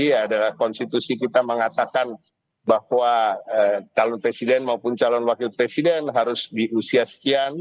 ya adalah konstitusi kita mengatakan bahwa calon presiden maupun calon wakil presiden harus di usia sekian